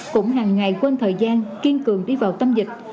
cũng hàng ngày quân thời gian kiên cường đi vào tâm dịch